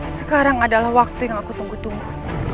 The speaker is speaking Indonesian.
sekarang adalah waktu yang aku tunggu tunggu